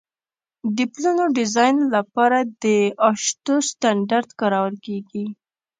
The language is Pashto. د پلونو ډیزاین لپاره د اشټو سټنډرډ کارول کیږي